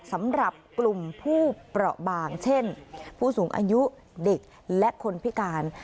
สำหรับกลุ่มผู้เปราะบางเช่นผู้สูงอายุเด็กและคนพิการ